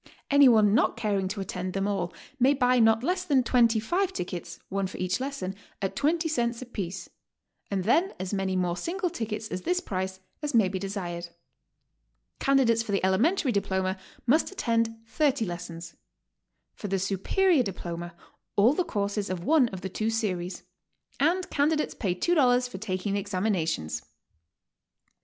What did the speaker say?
Any one not caring to attend them all may buy not less than 25 tickets (one for each lesson) at 20 cents apiece, and then as many more single tickets at this price as may be desired. Candidates for the elementary diploma must attend 30 lessons; for the superior diploma, all the courses of one of the two series; and candidates pay $2 for taking the examinations.